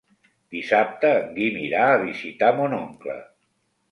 Dissabte en Guim irà a visitar mon oncle.